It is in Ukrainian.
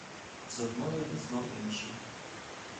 Зо мною він знов інший.